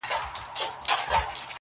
• وارخطا دوکانداران او تاجران ول -